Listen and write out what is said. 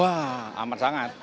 wah amat sangat